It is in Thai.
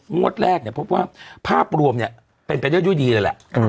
งวดแรกเนี่ยพบว่าภาพรวมเนี่ยเป็นไปด้วยดีเลยแหละ